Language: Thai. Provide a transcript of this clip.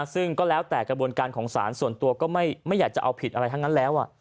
ซึ่งก็แล้วแต่กระบวนการของศาลส่วนตัวก็ไม่อยากจะเอาผิดอะไรทั้งนั้นแล้ว